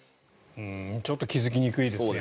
ちょっと気付きにくいですね。